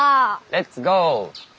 レッツゴー！